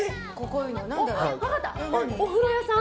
お風呂屋さん？